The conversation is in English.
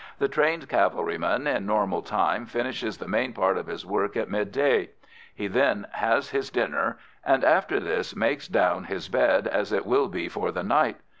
The trained cavalryman in normal times finishes the main part of his work at midday. He then has his dinner, and after this makes down his bed as it will be for the night.